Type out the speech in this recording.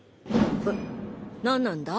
え？何なんだ？